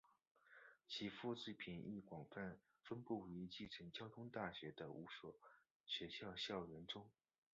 其复制品亦广泛分布于继承交通大学的五所学校校园中。